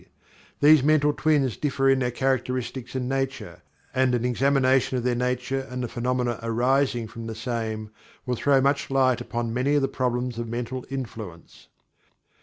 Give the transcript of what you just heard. These mental twins differ in their characteristics and nature, and an examination of their nature and the phenomena arising from the same will throw much light upon many of the problems of mental influence.